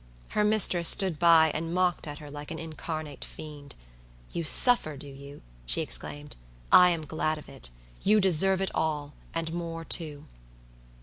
Her mistress stood by, and mocked at her like an incarnate fiend. "You suffer, do you?" she exclaimed. "I am glad of it. You deserve it all, and more too."